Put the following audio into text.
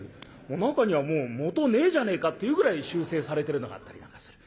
中にはもう元ねえじゃねえかっていうぐらい修整されてるのがあったりなんかする。